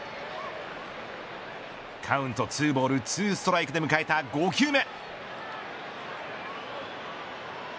カウント２ボール２ストライクで迎えた５球目。